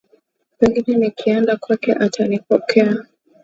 Pengine nikienda kwake atanipokea